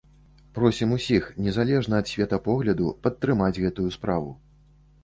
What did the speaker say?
Просім усіх, незалежна ад светапогляду, падтрымаць гэтую справу.